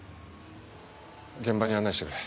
現場に案内してくれ。